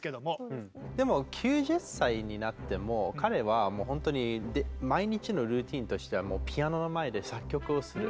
でも９０歳になっても彼はもう本当に毎日のルーチンとしてはピアノの前で作曲をする。